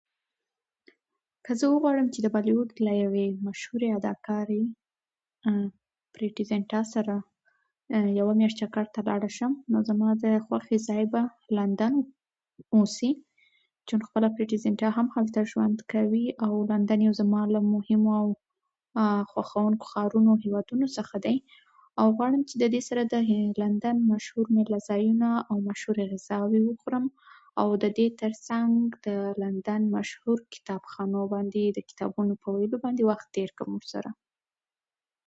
که زه وغواړم چې د بالیووډ له یوې مشهورې اداکارې، پریتي زینتا، سره یوه میاشت چکر ته لاړ شم، نو زما د خوښې ځای به لندن اوسي. چون خپله پریتي زینتا هم هلته ژوند کوي، او لندن زما یو له مهمو او خوښوونکو ښارونو، هېوادونو څخه دی. او غواړم چې دې سره د لندن د مشهورو میله ځایونو او مشهورې غذاوې وخورم، او د دې تر څنګ د لندن د مشهورو کتابخانو باندې د کتابونو په ویلو باندې وخت تېر کړم سره.